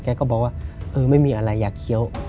ก็บอกว่าเออไม่มีอะไรอยากเคี้ยว